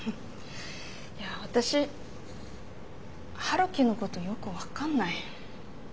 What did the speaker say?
いや私陽樹のことよく分かんない。